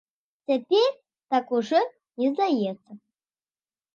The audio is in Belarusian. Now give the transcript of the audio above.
Цяпер так ужо не здаецца.